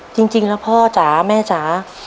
จริงแล้วพ่อจ๋าแม่จ๋า